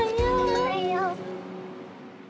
おはよう！